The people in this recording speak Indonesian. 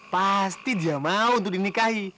pasti dia mau untuk dinikahi